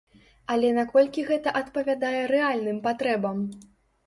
Але наколькі гэта адпавядае рэальным патрэбам?